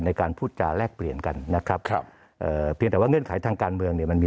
ในการพูดจาแรกเปลี่ยนกันนะครับแต่ว่าเงื่อนไขทางการเมืองเนี่ยมันมี